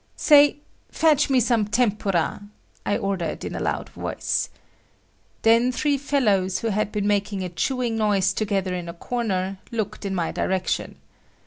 "Say, fetch me some tempura," I ordered in a loud voice. Then three fellows who had been making a chewing noise together in a corner, looked in my direction.